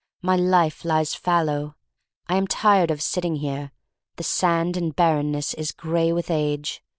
My life lies fallow. I am tired of sitting here. The sand and barrenness is gray with age.